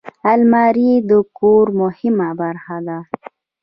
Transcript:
الماري د کور مهمه برخه ده